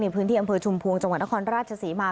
ในพื้นที่อ่างภือชุมภูมิจังหวังตระขอร์ณราชศีมา